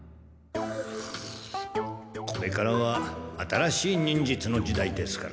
これからは新しい忍術の時代ですから。